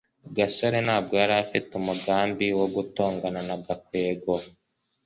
gasore ntabwo yari afite umugambi wo gutongana na gakwego